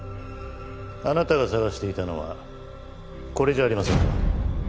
あなたが捜していたのはこれじゃありませんか？